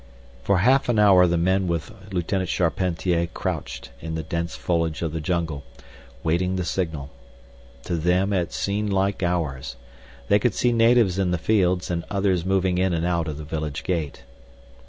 For half an hour the men with Lieutenant Charpentier crouched in the dense foliage of the jungle, waiting the signal. To them it seemed like hours. They could see natives in the fields, and others moving in and out of the village gate.